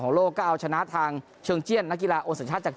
โลกก็เอาชนะทางเชิงเจียนนักกีฬาโอสัญชาติจาก